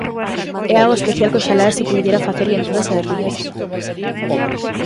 É algo especial que oxalá se puidera facer en todas as rías.